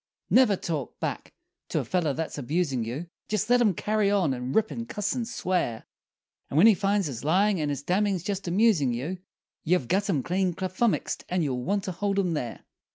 Never talk back to a feller that's abusin' you Jest let him carry on, and rip, and cuss and swear; And when he finds his lyin' and his dammin's jest amusin' you, You've gut him clean kaflummixed, and you want to hold him there!